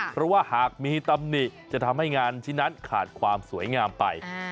เพราะว่าหากมีตำหนิจะทำให้งานชิ้นนั้นขาดความสวยงามไป